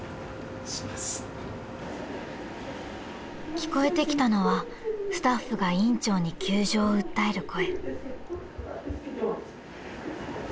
［聞こえてきたのはスタッフが院長に窮状を訴える声］